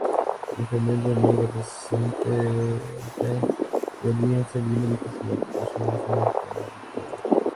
Benjamín Romero, representante de Alianza Lima, dijo que la ocupación es una "toma arbitraria".